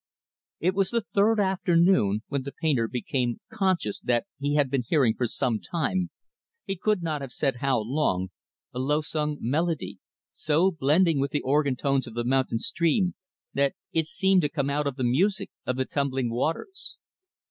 It was the third afternoon, when the painter became conscious that he had been hearing for some time he could not have said how long a low sung melody so blending with the organ tones of the mountain stream that it seemed to come out of the music of the tumbling waters.